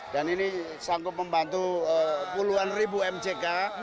dan ini sanggup membantu puluhan ribu mck